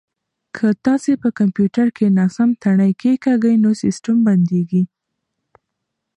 که تاسي په کمپیوټر کې ناسم تڼۍ کېکاږئ نو سیسټم بندیږي.